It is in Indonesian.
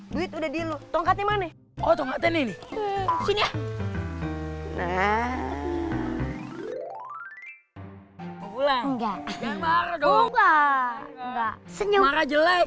duit udah di lu tongkatnya mana oh